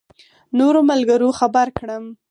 نورو ملګرو خبر کړم.